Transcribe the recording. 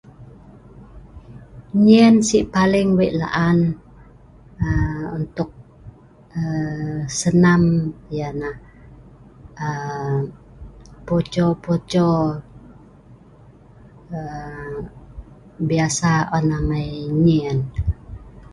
Nnyen si paling wei' la'an aa untuk aa senam ya'nah poco poco aa biasa on amai nnyen.